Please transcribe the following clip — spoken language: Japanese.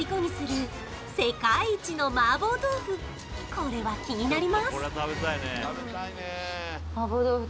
これは気になります